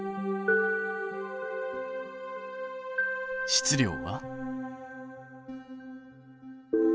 質量は？